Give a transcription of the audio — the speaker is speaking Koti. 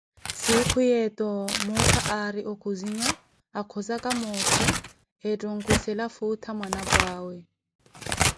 Sikhu yeeto, muukha mmote aari okhuzinya, akhozaka moottho etta onkwisela futha mwanapwa awe.